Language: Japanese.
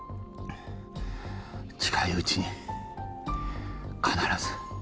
近いうちに必ず。